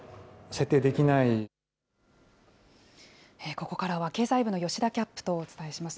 ここからは、経済部の吉田キャップとお伝えします。